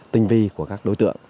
tinh vi của các đối tượng